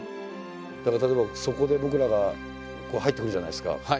だから例えばそこで僕らがこう入ってくるじゃないですか。